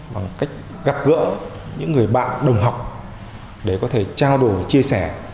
bằng cách gặp gỡ những người bạn đồng học để có thể trao đổi chia sẻ